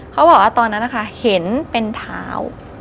เขาบอกว่าตอนนั้นนะคะเห็นเป็นเท้า